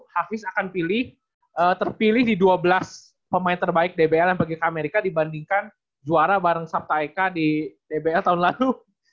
hafiz akan terpilih di dua belas pemain terbaik dbl yang pergi ke amerika dibandingkan juara bareng sabta eka di dbl tahun lalu